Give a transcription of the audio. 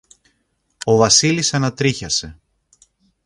Ο Βασίλης ανατρίχιασε